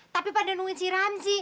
tapi pada nungguin si ramzi